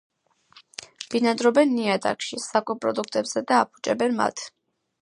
ბინადრობენ ნიადაგში, საკვებ პროდუქტებზე და აფუჭებენ მათ.